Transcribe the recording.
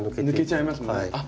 抜けちゃいますもんね。